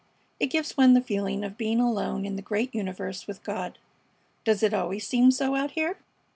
It gives one the feeling of being alone in the great universe with God. Does it always seem so out here?"